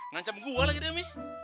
ngancam gue lagi dia mi